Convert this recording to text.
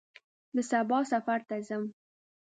زه سبا سفر ته ځم.